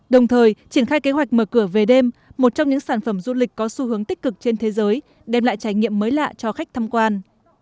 đồng thời triển khai kế hoạch mở cửa về đêm một trong những sản phẩm du lịch có xu hướng tích cực trên thế giới đem lại trải nghiệm mới lạ cho khách tham quan